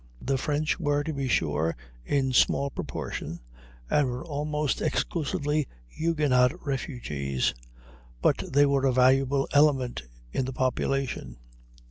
The French were, to be sure, in small proportion, and were almost exclusively Huguenot refugees, but they were a valuable element in the population.